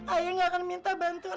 ayah gak akan minta bantuan